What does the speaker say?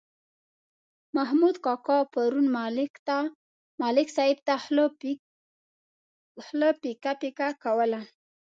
محمود کاکا پرون ملک صاحب ته خوله پیکه پیکه کوله.